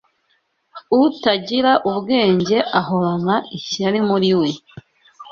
utagira ubwenge ahorana ishyari muri we